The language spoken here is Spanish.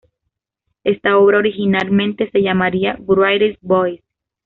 Esta obra originalmente se llamaría "Writer's Voice".